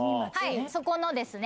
そこのですね